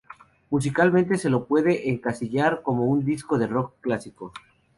Musicalmente se lo puede encasillar como un disco de rock clásico.